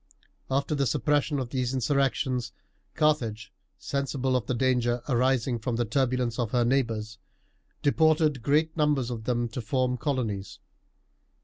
After the suppression of these insurrections, Carthage, sensible of the danger arising from the turbulence of her neighbours, deported great numbers of them to form colonies.